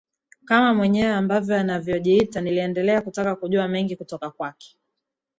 kama mwenyewe ambavyo anavyojiita niliendelea kutaka kujua mengi kutoka kwake